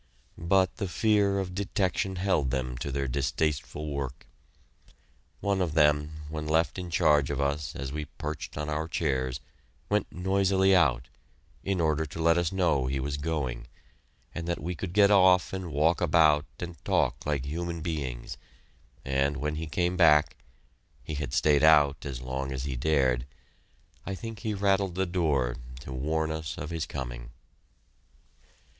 But the fear of detection held them to their distasteful work. One of them, when left in charge of us as we perched on our chairs, went noisily out, in order to let us know he was going, so that we could get off and walk about and talk like human beings, and when he came back he had stayed out as long as he dared I think he rattled the door to warn us of his coming!